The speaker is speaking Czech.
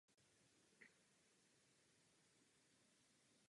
Musíme uplatňovat velmi odlišné požadavky.